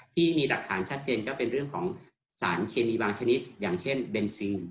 ที่มีหลักฐานชัดเจนก็เป็นเรื่องของสารเคมีบางชนิดอย่างเช่นเบนซีน